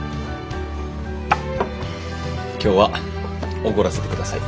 今日はおごらせてください。